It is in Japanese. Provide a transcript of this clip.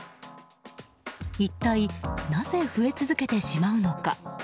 一体なぜ増え続けてしまうのか。